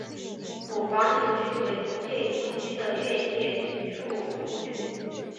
捕房巡区为租界以西的越界筑路区。